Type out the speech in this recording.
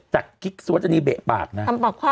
จากกิ๊กสุวรรษณีย์เบะปากนะ